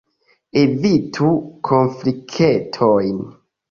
Evitu konfliktojn!